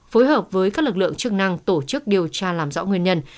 phối hợp với các lực lượng chức năng tổ chức điều tra làm rõ nguyên nhân